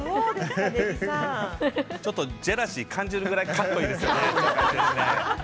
ジェラシー感じるぐらいかっこいいですよね。